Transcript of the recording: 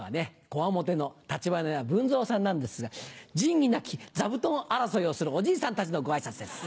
こわもての橘家文蔵さんなんですが仁義なき座布団争いをするおじいさんたちのご挨拶です。